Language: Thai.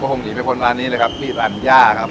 พวกผมหนีไปพนร้านนี้เลยครับปิรัญญาครับผม